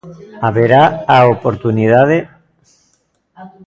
Haberá a oportunidade.